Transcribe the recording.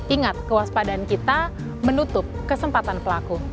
ingat kewaspadaan kita menutup kesempatan pelaku